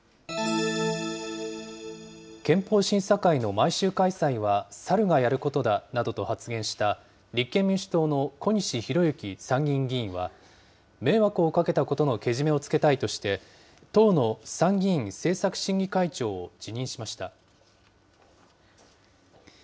憲法審査会の毎週開催はサルがやることだなどと発言した、立憲民主党の小西洋之参議院議員は、迷惑をかけたことのけじめをつけたいとして、党の参議院政策審議会長を辞任しました。